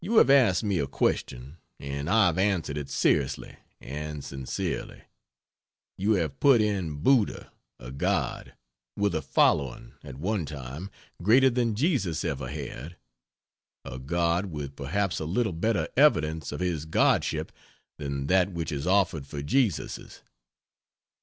You have asked me a question, and I have answered it seriously and sincerely. You have put in Buddha a god, with a following, at one time, greater than Jesus ever had: a god with perhaps a little better evidence of his godship than that which is offered for Jesus's.